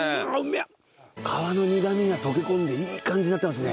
皮の苦みが溶け込んでいい感じになってますね。